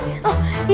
kami bukan balik